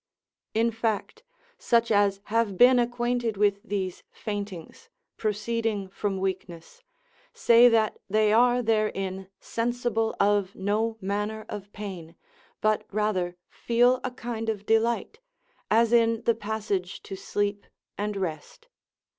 In fact, such as have been acquainted with these faintings, proceeding from weakness, say that they are therein sensible of no manner of pain, but rather feel a kind of delight, as in the passage to sleep and best.